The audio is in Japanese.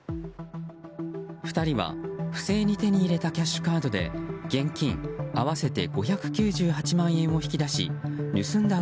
２人は、不正に手に入れたキャッシュカードで現金合わせて５９８万円を引き出し盗んだ